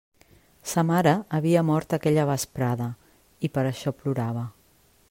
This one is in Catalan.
Sa mare havia mort aquella vesprada, i per això plorava.